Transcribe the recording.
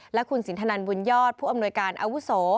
และคุณสินทนันบุญยอดผู้อำนวยการอาวุโส